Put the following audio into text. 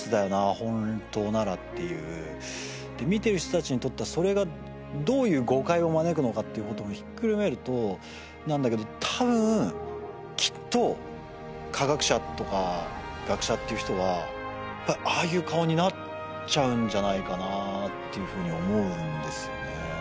ホントならっていう見てる人達にとってはそれがどういう誤解を招くのかっていうこともひっくるめるとなんだけど多分きっと科学者とか学者っていう人はああいう顔になっちゃうんじゃないかなっていうふうに思うんですよね